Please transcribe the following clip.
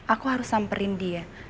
aku harus samperin dia